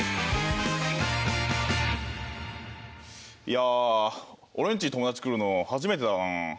いやあ俺んちに友達来るの初めてだな。